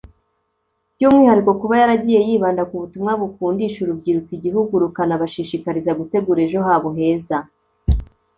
by’umwihariko kuba yaragiye yibanda ku butumwa bukundisha urubyiruko igihugu rukanabashishikariza gutegura ejo habo heza